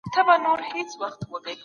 مذهبي ډلې یو له بل سره پرتله کیږي.